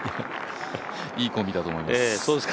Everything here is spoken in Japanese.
いいコンビだと思います。